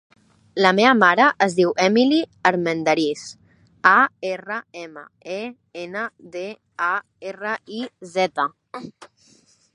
La meva mare es diu Emily Armendariz: a, erra, ema, e, ena, de, a, erra, i, zeta.